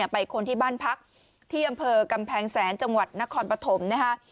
คนที่บ้านพักที่อำเภอกำแพงแสนจังหวัดนครปฐมนะคะ